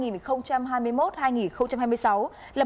là một sản phẩm